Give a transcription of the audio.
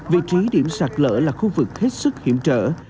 vị trí điểm sạt lỡ là khu vực hết sức hiểm trợ